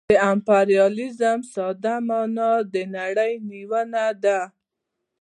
د امپریالیزم ساده مانا د نړۍ نیونه ده